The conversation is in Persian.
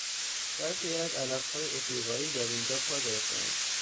برخی از علف های افریقایی در اینجا پا گرفتهاند.